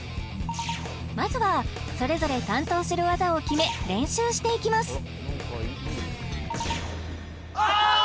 まずはそれぞれ担当する技を決め練習していきますああーっ！